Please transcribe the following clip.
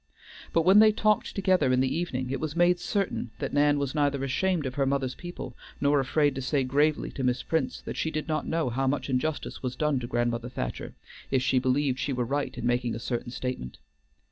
But when they talked together in the evening, it was made certain that Nan was neither ashamed of her mother's people nor afraid to say gravely to Miss Prince that she did not know how much injustice was done to grandmother Thacher, if she believed she were right in making a certain statement.